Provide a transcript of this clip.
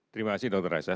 terima kasih dr rai